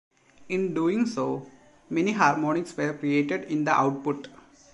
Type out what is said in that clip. In doing so, many harmonics were created in the output.